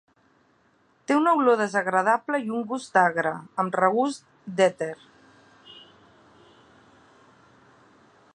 Té una olor desagradable i un gust agre amb regust d'èter.